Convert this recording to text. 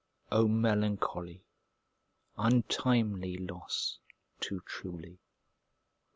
0 melancholy, untimely, loss, too truly!